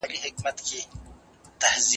شخصي ملکیت ته درناوی کیږي.